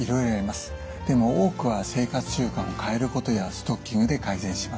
でも多くは生活習慣を変えることやストッキングで改善します。